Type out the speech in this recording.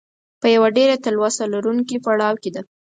په یوه ډېره تلوسه لرونکي پړاو کې ده.